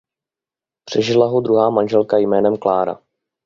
Přežila ho druhá manželka jménem Klára.